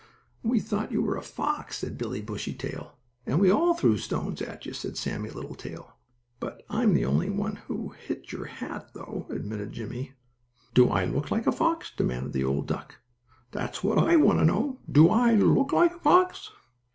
"We thought you were a fox," said Billie Bushytail. "And we all threw stones at you," added Sammie Littletail. "But I'm the only one who hit your hat, though," admitted Jimmie. "Do I look like a fox?" demanded the old duck. "That's what I want to know. Do I look like a fox?"